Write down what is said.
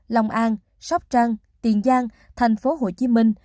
lòng an sóc trăng tiền giang thành phố hồ chí minh